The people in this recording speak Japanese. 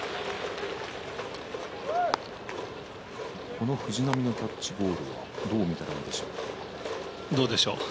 この藤浪のキャッチボールはどう見たらいいんでしょうか。